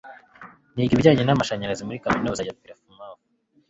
niga ibijyanye n'amashanyarazi muri kaminuza ya plymouth